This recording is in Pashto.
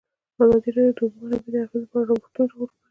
ازادي راډیو د د اوبو منابع د اغېزو په اړه ریپوټونه راغونډ کړي.